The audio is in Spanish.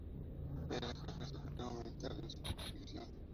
Era el jefe supremo militar en su jurisdicción.